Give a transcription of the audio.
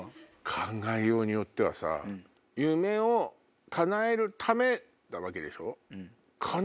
考えようによってはさ夢を叶えるためなわけでしょ？